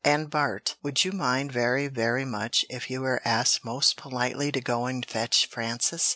And, Bart, would you mind very, very much if you were asked most politely to go and fetch Frances?"